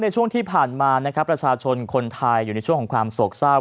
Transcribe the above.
ช่วงที่ผ่านมานะครับประชาชนคนไทยอยู่ในช่วงของความโศกเศร้า